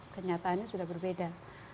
kenyataannya sudah berbeda